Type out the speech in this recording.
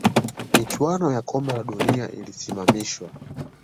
michuano ya Kombe la dunia ililisimamishwa